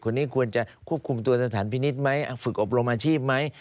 คนนี้ควรจะควบคุมตัวสถานพินิษฐ์ไหมฝึกอบรมอาชีพไหม